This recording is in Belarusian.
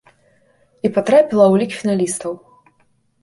І патрапіла ў лік фіналістаў.